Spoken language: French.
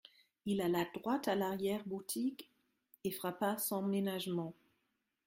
Il alla droit à l’arrière-boutique et frappa sans ménagement.